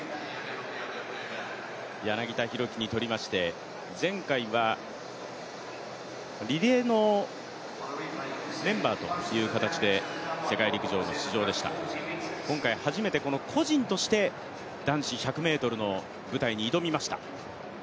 柳田大輝にとりまして、前回はリレーのメンバーという形で世界陸上の出場でした、今回初めて個人として男子１００ｍの舞台に挑みました。